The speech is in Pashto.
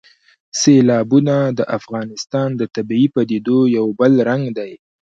سیلابونه د افغانستان د طبیعي پدیدو یو بل رنګ دی.